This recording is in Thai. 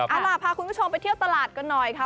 เอาล่ะพาคุณผู้ชมไปเที่ยวตลาดกันหน่อยค่ะ